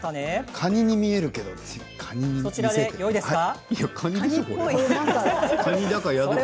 カニに見えるけどカニに見せて。